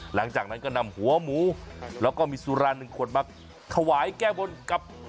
หลังจากนั้นก็นำหัวหมูแล้วก็มีสุราหนึ่งขวดมาถวายแก้บนกับ